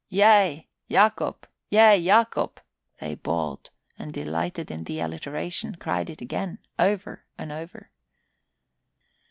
"Yea, Yacob! Yea, Yacob!" they bawled and delighting in the alliteration cried it again, over and over.